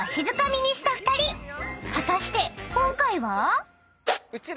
［果たして今回は？］